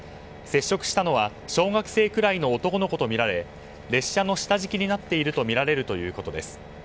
接触したのは小学生くらいの男の子とみられ列車の下敷きになっているとみられるということです。